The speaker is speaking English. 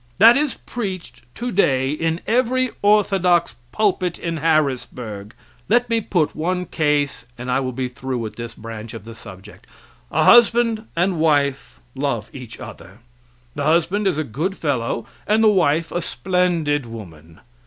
That is preached today in every orthodox pulpit in Harrisburg. Let me put one case and I will be through with this branch of the subject. A husband and wife love each other. The husband is a good fellow and the wife a splendid woman.